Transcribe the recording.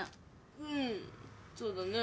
うんそうだね。